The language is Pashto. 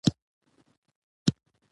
لوستې نجونې خپل ژوند ته پلان جوړوي.